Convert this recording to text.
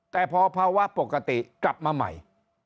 แต่พอภาวะปกติกลับมาใหม่